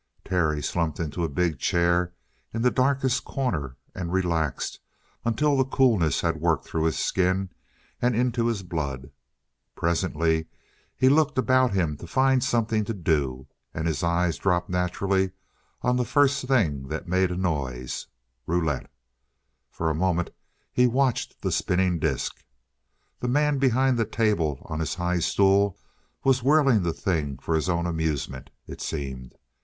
Terry slumped into a big chair in the darkest corner and relaxed until the coolness had worked through his skin and into his blood. Presently he looked about him to find something to do, and his eye dropped naturally on the first thing that made a noise roulette. For a moment he watched the spinning disk. The man behind the table on his high stool was whirling the thing for his own amusement, it seemed.